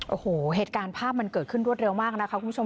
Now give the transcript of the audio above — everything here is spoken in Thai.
โอ้โหเหตุการณ์ภาพมันเกิดขึ้นรวดเร็วมากนะคะคุณผู้ชม